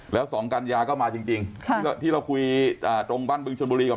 แล้วสองกัญญาก็มาจริงที่เราคุยตรงบ้านบึงชนบุรีกับ